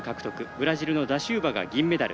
ブラジルのダシウバが銀メダル。